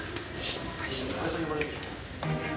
失敗した。